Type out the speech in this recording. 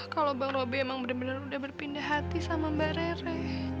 kalau bang robby emang bener bener udah berpindah hati sama mbak rere